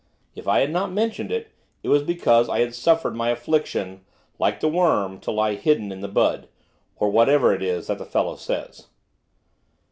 If I had not mentioned it, it was because I had suffered my affection, 'like the worm, to lie hidden in the bud,' or whatever it is the fellow says.